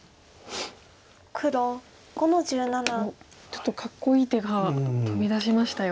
ちょっとかっこいい手が飛び出しましたよ。